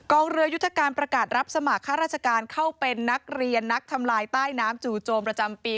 เรือยุทธการประกาศรับสมัครข้าราชการเข้าเป็นนักเรียนนักทำลายใต้น้ำจู่โจมประจำปี